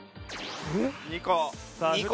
２個。